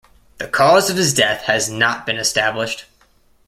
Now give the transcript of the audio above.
The cause of his death has not been established.